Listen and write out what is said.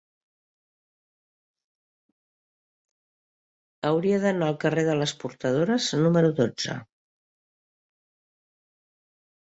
Hauria d'anar al carrer de les Portadores número dotze.